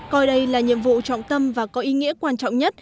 coi đây là nhiệm vụ trọng tâm và có ý nghĩa quan trọng nhất